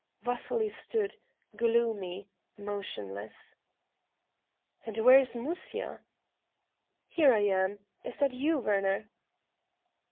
Vasily stood, gloomy, motionless. "And where is Musya?" "Here I am. Is that you, Werner?"